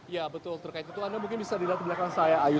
ya betul terkait itu anda mungkin bisa dilihat di belakang saya ayu